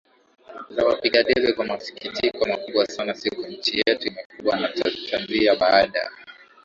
za wapiga debe Kwa masikitiko makubwa sana siku nchi yetu imekubwa na tanzia baada